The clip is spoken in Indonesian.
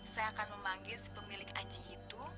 saya akan memanggil si pemilik anjing itu